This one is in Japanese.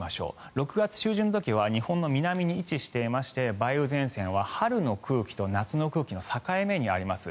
６月中旬の時は日本の南に位置していて梅雨前線は春の空気と夏の空気の境目にあります。